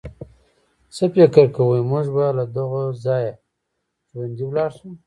څه فکر کوئ، موږ به له دغه ځایه ژوندي ولاړ شو.